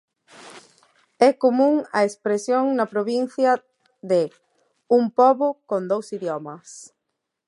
É común a expresión na provincia de "un pobo con dous idiomas".